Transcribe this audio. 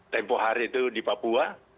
tempo hari itu di papua